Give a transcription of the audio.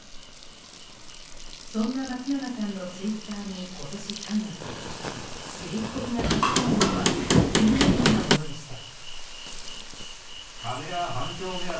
そんな松永さんのツイッターに今年３月油利被告が書き込んだのは次のようなものでした。